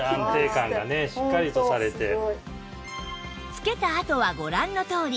着けたあとはご覧のとおり